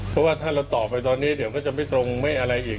เพราะว่าถ้าเราตอบไปตอนนี้เดี๋ยวก็จะไม่ตรงไม่อะไรอีก